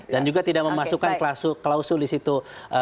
juga tidak memasukkan klausul di situ